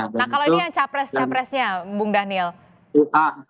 nah kalau ini yang capres capresnya bung daniel